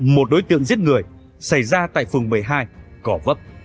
một đối tượng giết người xảy ra tại phường một mươi hai cỏ vấp